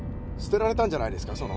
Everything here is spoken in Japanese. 捨てられたんじゃないですか？